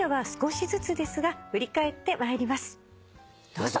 どうぞ。